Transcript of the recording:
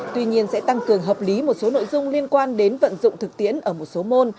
tuy nhiên sẽ tăng cường hợp lý một số nội dung liên quan đến vận dụng thực tiễn ở một số môn